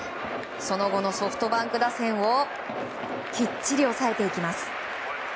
その後のソフトバンク打線をきっちり抑えていきます。